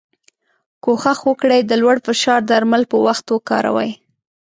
کوښښ وکړی د لوړ فشار درمل په وخت وکاروی.